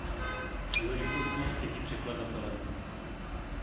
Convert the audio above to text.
Příležitostně je i překladatelem.